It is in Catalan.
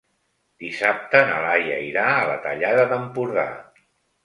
Dissabte na Laia irà a la Tallada d'Empordà.